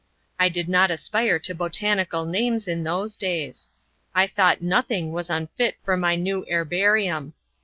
I did not aspire to botanical names in those days. I thought nothing was unfit for my new Herbarium.